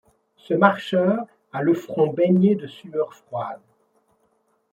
Ce marcheur a le front baigné de sueur froide.